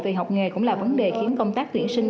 vì học nghề cũng là vấn đề khiến công tác tuyển sinh